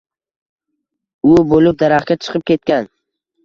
U boʻlib daraxtga chiqib ketgan.